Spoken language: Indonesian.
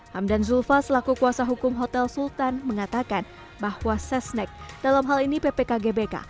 hamdan zulfa selaku kuasa hukum hotel sultan mengatakan bahwa sesnek dalam hal ini ppkgbk